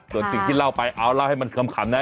ส่วนสิ่งที่เล่าไปเอาเล่าให้มันขำนะ